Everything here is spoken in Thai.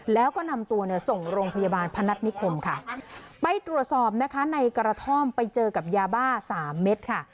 แล้วก็นำตัวเนี่ยส่งโรงพยาบาลพนัฐนิคมค่ะไปตรวจสอบนะคะในกระท่อมไปเจอกับยาบ้าสามเม็ดค่ะ